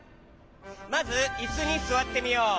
まずいすにすわってみよう。